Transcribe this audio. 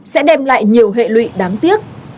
sẽ đem lại nhiều hệ lụy đáng tiếc